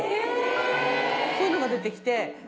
そういうのが出てきて。